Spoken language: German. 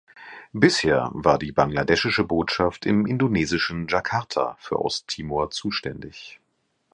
Bisher war die bangladeschische Botschaft im indonesischen Jakarta für Osttimor zuständig.